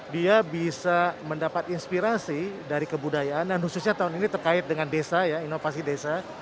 dia bisa mendapat inspirasi dari kebudayaan dan khususnya tahun ini terkait dengan desa ya inovasi desa